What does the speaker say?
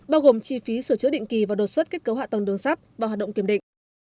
bao gồm chi phí sửa chữa định kỳ và đột xuất kết cấu hạ tầng đường sắt và hoạt động kiểm định